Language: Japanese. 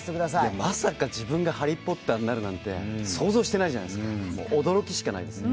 まさか自分がハリー・ポッターになるなんて想像してないじゃないですか。